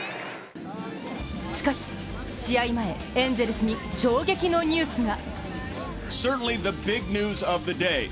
しかし、試合前、エンゼルスに衝撃のニュースが。